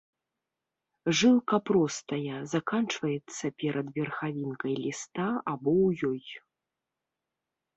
Жылка простая, заканчваецца перад верхавінкай ліста або ў ёй.